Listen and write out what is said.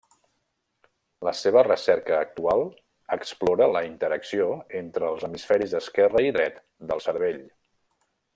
La seva recerca actual explora la interacció entre els hemisferis esquerre i dret del cervell.